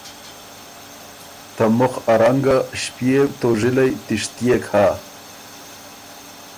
ته مُخ ا رنګه ݭپيېو توژِلئ تِشتيېک هۀ۔